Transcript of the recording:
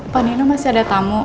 pak nino masih ada tamu